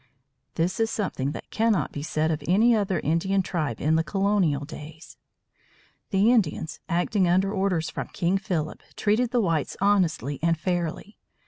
This is something that cannot be said of any other Indian tribe in the colonial days. The Indians, acting under orders from King Philip, treated the whites honestly and fairly.